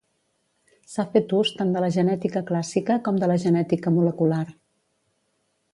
S'ha fet ús tant de la genètica clàssica com de la genètica molecular.